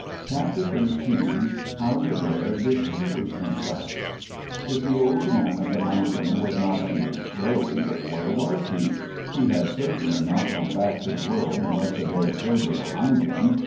CHAPTER XIII HOW THE BEAR DISTINGUISHED HIMSELF If the old man of the mountain was not in his grave, where was he? He had certainly not gone back to the world and left the buried treasure behind him.